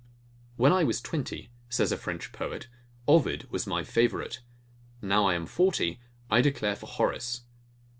When I was twenty, says a French poet, Ovid was my favourite: Now I am forty, I declare for Horace.